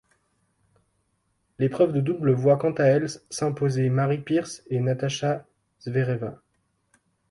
L'épreuve de double voit quant à elle s'imposer Mary Pierce et Natasha Zvereva.